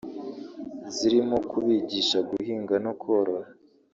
zirimo kubigisha guhinga no korora